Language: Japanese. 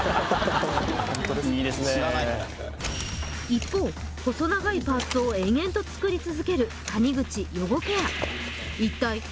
一方細長いパーツを延々と作り続ける谷口・余語ペア